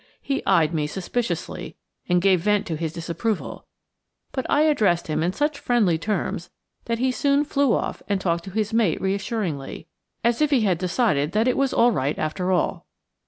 He eyed me suspiciously and gave vent to his disapproval, but I addressed him in such friendly terms that he soon flew off and talked to his mate reassuringly, as if he had decided that it was all right after all.